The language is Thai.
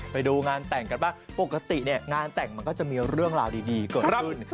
ไปดูงานแต่งกันบ้างปกติงานแต่งมันก็จะมีเรื่องราวดีเกิดขึ้น